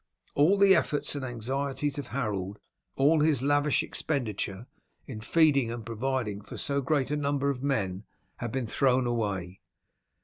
All the efforts and anxieties of Harold, all his lavish expenditure in feeding and providing for so great a number of men had been thrown away.